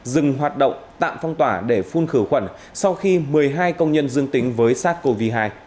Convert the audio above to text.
dừng hoạt động tạm phong tỏa để phun khử khuẩn sau khi một mươi hai công nhân dương tính với sars cov hai